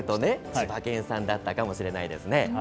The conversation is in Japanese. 千葉県産だったかもしれないですね。